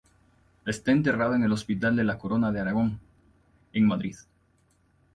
Está enterrado en el Hospital de la Corona de Aragón, en Madrid.